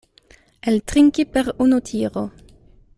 Eltrinki per unu tiro.